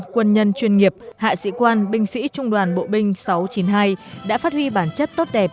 quân nhân chuyên nghiệp hạ sĩ quan binh sĩ trung đoàn bộ binh sáu trăm chín mươi hai đã phát huy bản chất tốt đẹp